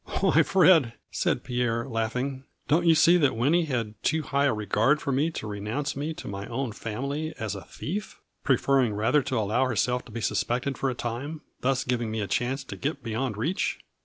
" Why, Fred," said Pierre, laughing, " don't you see that Winnie had too high a regard for me to renounce me to my own family as a thief, preferring rather to allow herself to be suspected for a time, thus giving me a chance to get be yond reach